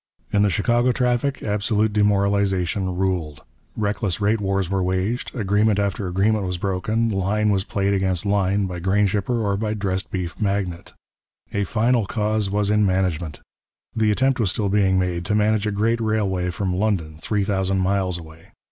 In the Chicago traffic absolute demoralization ruled reckless rate wars were waged, agreement after agreement was broken, line was played against line by grain shipper or by dressed beef magnate. A final cause was in management. The attempt was still being made to manage a great railway from London, three thousand miles away.